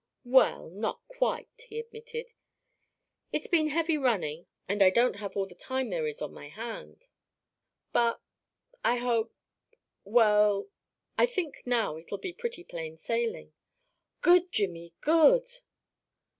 "Well, not quite," he admitted. "It's been heavy running, and I don't have all the time there is on my hands. But I hope well, I think now it'll be pretty plain sailing " "Good, Jimmy, good!"